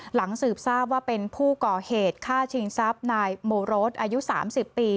หลังสืบทราบว่าเป็นผู้ก่อเหตุฆ่าชิงทรัพย์นายโมโรสอายุ๓๐ปี